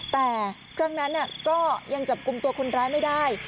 แต่ครั้งนั้นก็ยังจับกลุ่มตัวคนร้ายไม่ได้